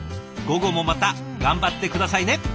午後もまた頑張って下さいね！